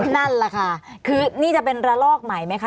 นั่นแหละค่ะคือนี่จะเป็นระลอกใหม่ไหมคะ